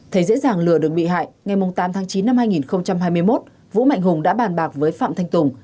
thấy dễ dàng lừa được bị hại ngày tám tháng chín năm hai nghìn hai mươi một vũ mạnh hùng đã bàn bạc với phạm thanh tùng